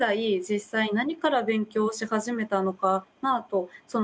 実際何から勉強し始めたのかなと。